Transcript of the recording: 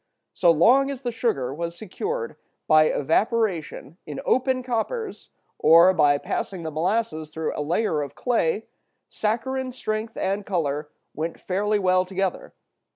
So long as the sugar was secured by evaporation in open coppers, or by passing the molasses through a layer of clay, saccharine strength and color went fairly well together.